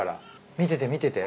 見てて見てて。